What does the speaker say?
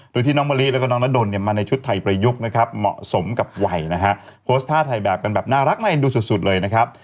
ดูที่น้องบะรี้และน้องนดลในชุดไทยประยุกษ์เหมาะสมกับไหวโพสท่าถ่ายแบบกันดูน่ารักนะครับ